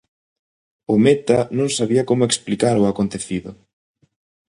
O meta non sabía como explicar o acontecido.